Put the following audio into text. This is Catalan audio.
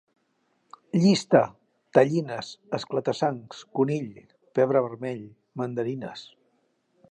Llista: tellines, esclata-sangs, conill, pebre vermell, mandarines